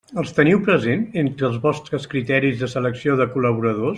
Els teniu presents entre els vostres criteris de selecció de col·laboradors?